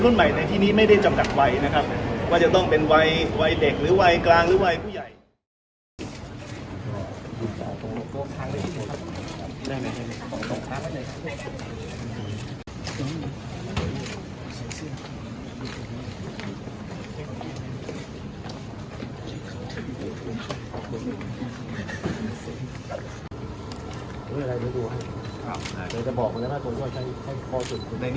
ใหม่ในที่นี้ไม่ได้จำกัดวัยนะครับว่าจะต้องเป็นวัยวัยเด็กหรือวัยกลางหรือวัยผู้ใหญ่